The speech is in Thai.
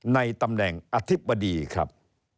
ในตำแหน่งอธิบดีครับ